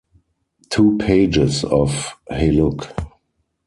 Two pages of Hey, Look!